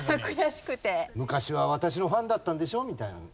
昔は私のファンだったんでしょ？みたいな。